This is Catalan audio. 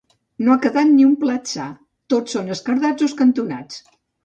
No ha quedat un plat sa: tots són esquerdats o escantonats.